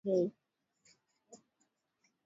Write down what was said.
Ugonjwa wa mfumo wa fahamu kwa mbuzi